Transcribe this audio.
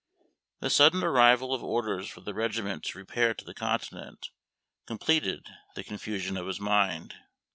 The sudden arrival of orders for the regiment to repair to the Continent completed the confusion of his mind.